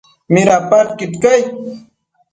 Midapadquid cai?